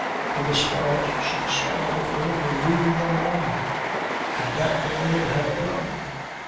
With a start she saw that the women were leaving them alone, and that the minute had come.